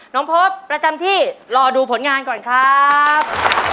น้องโภพประจำที่รอดูผลงานก่อนครับ